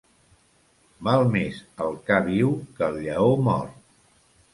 Val més el ca viu que el lleó mort.